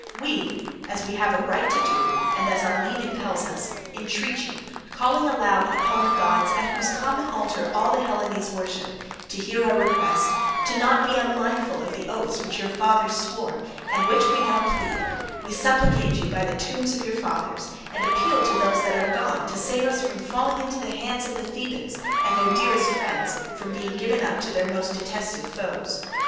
We, as we have a right to do and as our need impels us, entreat you, calling aloud upon the gods at whose common altar all the Hellenes worship, to hear our request, to be not unmindful of the oaths which your fathers swore, and which we now plead—we supplicate you by the tombs of your fathers, and appeal to those that are gone to save us from falling into the hands of the Thebans and their dearest friends from being given up to their most detested foes.